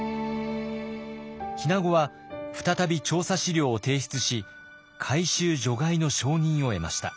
日名子は再び調査資料を提出し回収除外の承認を得ました。